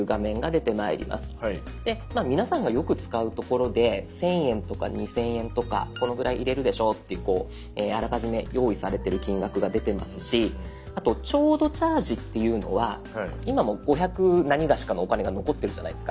で皆さんがよく使うところで１，０００円とか２，０００円とかこのぐらい入れるでしょうっていうあらかじめ用意されてる金額が出てますしあと「ちょうどチャージ」っていうのは今も５００なにがしかのお金が残ってるじゃないですか。